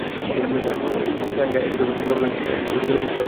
সাঙ্গেয়া, এটা তো একদম সেকেলে পিস্তল।